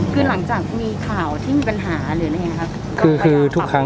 หลังจากมีข่าวที่มีปัญหาหรือไงครับ